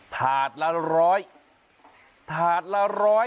ถาดละร้อยถาดละร้อย